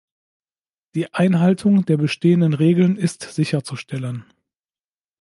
Die Einhaltung der bestehenden Regeln ist sicherzustellen.